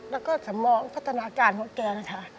แล้วก็สำมองพัฒนาการของแกนะคะ